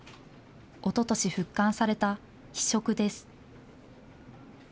おととし復刊された非色です。